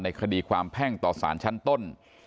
คดีความแพ่งต่อสารชั้นต้น